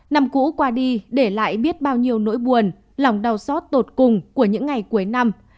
năm cũ qua đi để lại biết bao nhiêu nỗi buồn lòng đau xót tột cùng của những ngày cuối năm